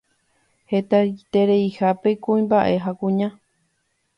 hetaitereihápe kuimba'e ha kuña